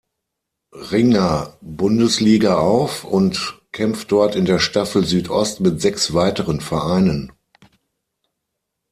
Ringer-Bundesliga auf und kämpft dort in der Staffel Südost mit sechs weiteren Vereinen.